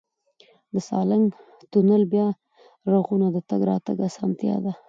د سالنګ تونل بیا رغونه د تګ راتګ اسانتیا ده.